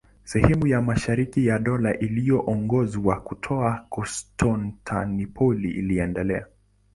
Sehemu ya mashariki ya Dola iliyoongozwa kutoka Konstantinopoli iliendelea.